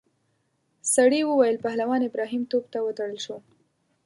سړي وویل پهلوان ابراهیم توپ ته وتړل شو.